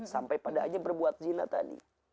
sampai pada aja berbuat zina tadi